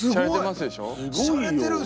すごいよ。